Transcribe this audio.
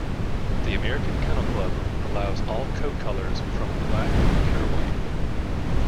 The American Kennel Club allows all coat colors from black to pure white.